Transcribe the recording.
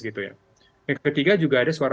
gitu ya yang ketiga juga ada suara